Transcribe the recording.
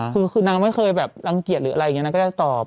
คือนักไม่เคยรังเกียจก็ตอบ